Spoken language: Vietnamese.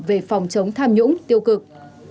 về phòng chống tham nhũng tiêu cực